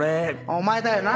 お前だよな。